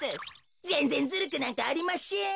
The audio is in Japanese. ぜんぜんずるくなんかありましぇん。